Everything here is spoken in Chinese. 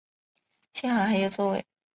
幸好还有座位